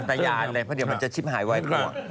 ตายานเลยเพราะเดี๋ยวมันจะชิบหายไว